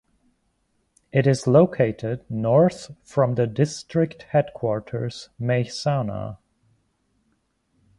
It is located north from the district headquarters Mehsana.